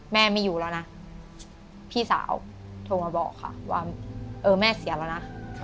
ไม่อยู่แล้วนะพี่สาวโทรมาบอกค่ะว่าเออแม่เสียแล้วนะ